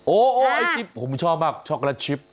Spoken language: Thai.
โอ้ยไอศครีมผมชอบมากช็อกโกแลตชิป